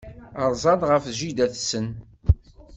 Rzan ɣef jida-tsen.